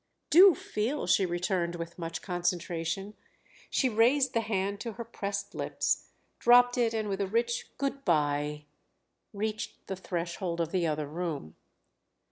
"Do feel!" she returned with much concentration. She raised the hand to her pressed lips, dropped it and with a rich "Good bye!" reached the threshold of the other room.